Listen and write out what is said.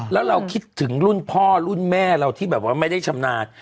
แล้วเราคิดถึงรุ่นพ่อรุ่นแม่เราที่แบบว่าไม่ได้ชำนาญ